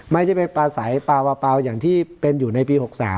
ไม่ใช่ไปปาสายปาวเกี่ยวกับที่อยู่ในปี๖๓